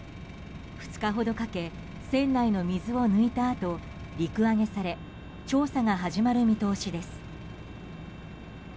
２日ほどかけ船内の水を抜いたあと陸揚げされ調査が始まる見通しです。